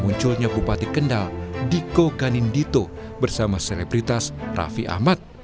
munculnya bupati kendal diko kanindito bersama selebritas raffi ahmad